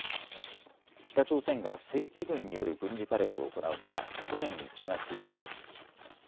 北朝鮮が正規軍による軍事パレードを行うのは去年１月以来です。